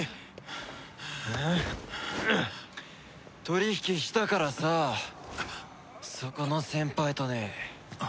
取引したからさそこの先輩とね。